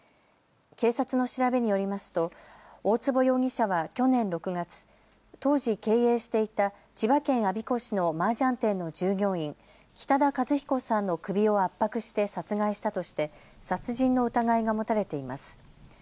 警察の調べによりますと大坪容疑者は去年６月、当時経営していた千葉県我孫子市のマージャン店の従業員、北田和彦さんの首を圧迫して殺害したとして殺人の疑いが持たれています。